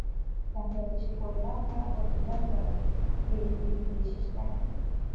त्यामुळे अतिशय कोरडा उन्हाळा व ओला हिवाळा हे येथील वैशिठ्य आहे.